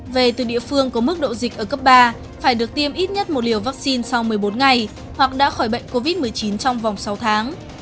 về từ địa phương có mức độ dịch ở cấp ba phải được tiêm ít nhất một liều vaccine sau một mươi bốn ngày hoặc đã khỏi bệnh covid một mươi chín trong vòng sáu tháng